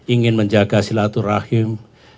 ingin menjaga silaturahim